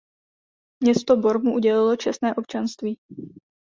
Město Bor mu udělilo čestné občanství.